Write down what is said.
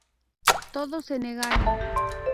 Todos se negaron.